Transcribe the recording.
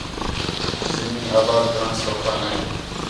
زمین آباد کرݨ سَوکھا نے